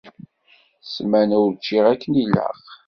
Ssmana ur ččiɣ akken ilaq.